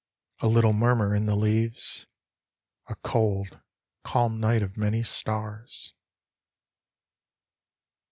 A little murmur in the leaves A cold, calm night of many stars.